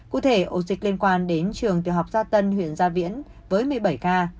cụ thể ổ dịch liên quan đến trường tiểu học gia tân huyện gia viễn với một mươi bảy ca